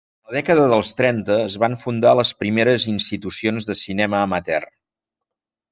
En la dècada dels trenta es van fundar les primeres institucions de cinema amateur.